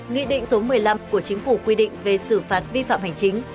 nghị định số một mươi năm của chính phủ quy định về xử phạt vi phạm hành chính